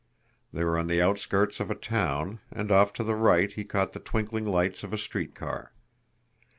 They were on the outskirts of a town, and off to the right he caught the twinkling lights of a street car.